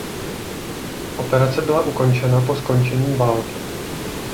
Operace byla ukončena po skončení války.